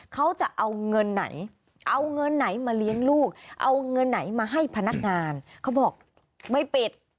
เขาจะเอาเงินไหนเอาเงินไหนมาเลี้ยงลูกเอาเงินไหนมาให้พนักงานเขาบอกไม่ปิด